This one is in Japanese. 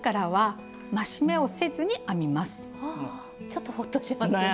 ちょっとホッとしますね。